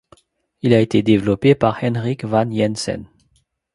Il a été développé par Henrik Wann Jensen.